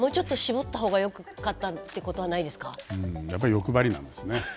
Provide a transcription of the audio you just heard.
やっぱり欲張りなんですね。